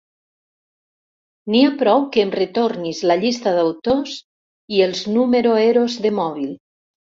N'hi ha prou que em retornis la llista d'autors i els número eros de mòbil.